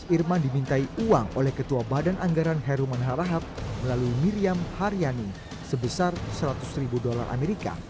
irman dimintai uang oleh ketua badan anggaran heruman harahap melalui miriam haryani sebesar seratus ribu dolar amerika